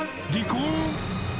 離婚？